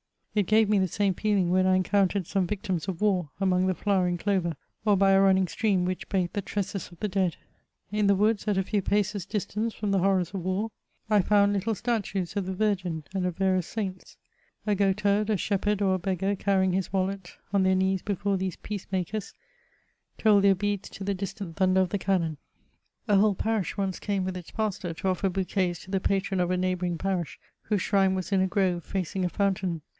It gave me the same feeling when I encountered some victims of war among the fiowering clover, or by a running stream which bathed the tresses of the dead. In the woods, at a few paces distanee from the horrors of war. CHATEAUBRIAND. 847 I found little statues of the Virgin and of yarious Saints. A goatherd, a shepherd, or a heggar carrying his wallet, on their knees before these peacemakers, told their beads to the distant thunder of the cannon. A whole parish once came with its pastor to offer bouquets to the patron of a neighbouring parish, whose shrine was in a grove, facing a fountain.